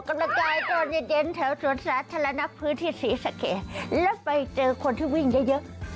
กรณกายโดนเย็นเถอะสวนสระทะละนับพื้นที่ศรีสะแขกแล้วไปเจอคนที่วิ่งเยอะ